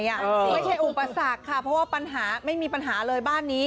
ไม่ใช่อุปสรรคค่ะเพราะว่าปัญหาไม่มีปัญหาเลยบ้านนี้